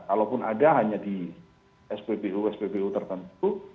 kalaupun ada hanya di sppu sppu tertentu